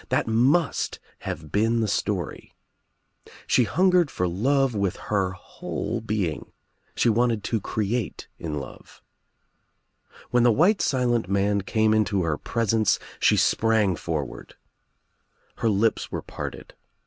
That must have been the story. She hungered for love with her whole being. She wanted to create in love. When the white silent man came into her presence she sprang forward. THEDUMBMAN 3 Her lips were parted.